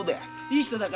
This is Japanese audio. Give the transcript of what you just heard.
いい人だ。